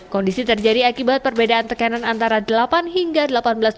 kondisi terjadi akibat perbedaan tekanan antara delapan hingga sepuluh km per jam